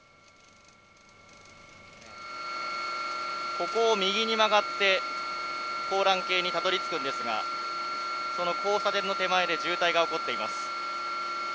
ここを右に曲がって、香嵐渓にたどりつくんですが、その交差点の手前で渋滞が起こっています。